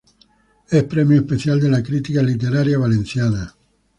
Es Premio Especial de la Crítica Literaria Valenciana.